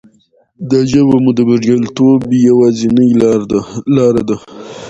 دا ژبه مو د بریالیتوب یوازینۍ لاره ده.